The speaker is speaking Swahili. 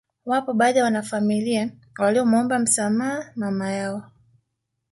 Wapo baadhi ya wanafamilia waliomwomba msamaha mama yao